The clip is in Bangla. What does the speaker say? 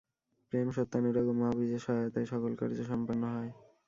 প্রেম, সত্যানুরাগ ও মহাবীর্যের সহায়তায় সকল কার্য সম্পন্ন হয়।